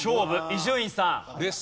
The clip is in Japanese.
伊集院さん。